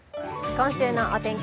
今週のお天気